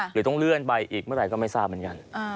หรือต้องเลื่อนไปอีกเมื่อไหร่ก็ไม่ทราบเหมือนกัน